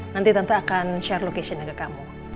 nanti tante akan share locationnya ke kamu